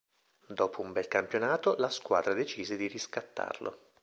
Dopo un bel campionato, la squadra decise di riscattarlo.